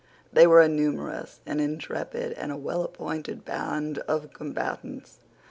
They were a numerous, an intrepid, and a well appointed band of combatants.